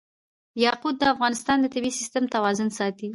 یاقوت د افغانستان د طبعي سیسټم توازن ساتي.